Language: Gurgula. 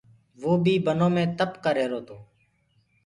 وو بيٚ بنو مي تَپَ ڪريهرو تو